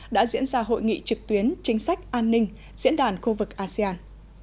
đã diễn ra hội nghị trực tuyến chính sách an ninh diễn đàn khu vực asean